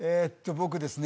僕ですね